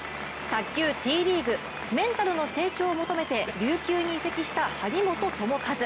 卓球のＴリーグ、メンタルの成長を求めて琉球に移籍した張本智和。